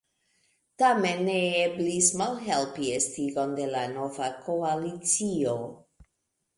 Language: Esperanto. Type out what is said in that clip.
Tamen ne eblis malhelpi estigon de la nova koalicio.